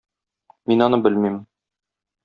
Мин аны белмим.